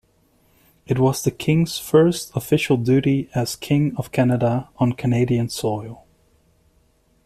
It was the King's first official duty as King of Canada on Canadian soil.